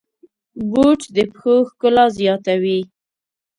بوټ د پښو ښکلا زیاتوي.